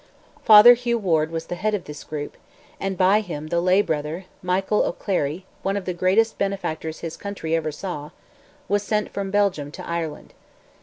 Father Hugh Ward was the head of this group, and by him the lay brother Michael O'Clery, one of the greatest benefactors his country ever saw, was sent from Belgium to Ireland.